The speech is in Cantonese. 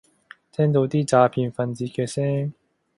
聽到啲詐騙份子嘅聲